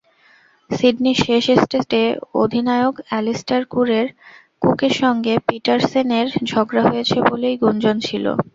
সিডনির শেষ টেস্টে অধিনায়ক অ্যালিস্টার কুকের সঙ্গে পিটারসেনের ঝগড়া হয়েছে বলেই গুঞ্জন ছিল।